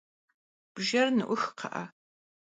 Bjjer nı'ux, kxhı'e!